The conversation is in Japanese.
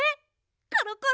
コロコロ！